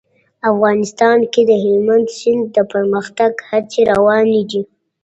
افغانستان کې د هلمند سیند د پرمختګ هڅې روانې دي.